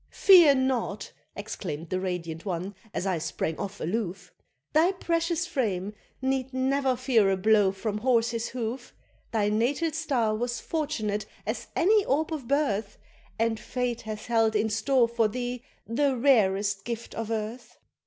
"Fear nought," exclaimed the radiant one, as I sprang off aloof, "Thy precious frame need never fear a blow from horse's hoof! Thy natal star was fortunate as any orb of birth, And fate hath held in store for thee the rarest gift of earth."